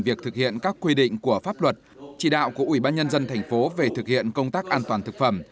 việc thực hiện các quy định của pháp luật chỉ đạo của ủy ban nhân dân thành phố về thực hiện công tác an toàn thực phẩm